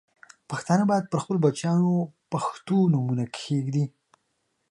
پښتانه باید پر خپلو بچیانو پښتو نومونه کښېږدي.